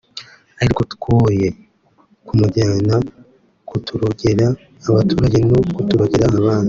ariko twoye kumujyana kuturogera abaturage no kuturogera abana